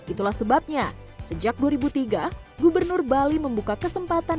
itulah sebabnya sejak dua ribu tiga gubernur bali membuka kesempatan